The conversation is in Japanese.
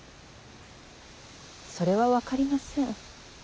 それは分かりません。